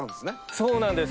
そうなんです。